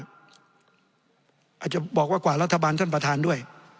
อาจจะบอกว่ากว่ารัฐบาลท่านประธานด้วย